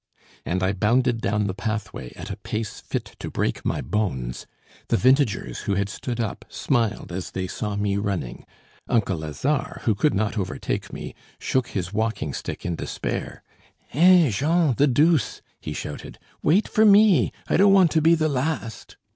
And I bounded down the pathway at a pace fit to break my bones. The vintagers, who had stood up, smiled as they saw me running. Uncle Lazare, who could not overtake me, shook his walking stick in despair. "Heh! Jean, the deuce!" he shouted, "wait for me. I don't want to be the last."